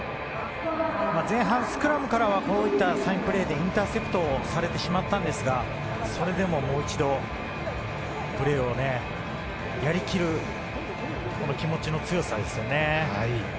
前半スクラムからは、こういったサインプレーでインターセプトされてしまったんですが、それでももう一度、プレーをやりきる、この気持ちの強さですね。